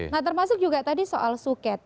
nah termasuk juga tadi soal suket